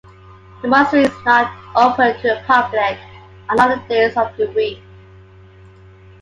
The monastery is not open to the public on other days of the week.